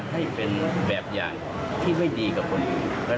ให้เป็นแบบอย่างที่ไม่ดีกับคนอื่น